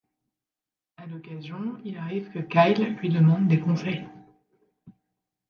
À l'occasion, il arrive que Kyle lui demande des conseils.